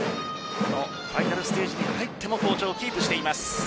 ファイナルステージに入っても好調をキープしています。